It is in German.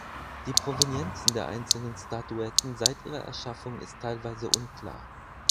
Die Provenienzen der einzelnen Statuetten seit ihrer Erschaffung ist teilweise unklar.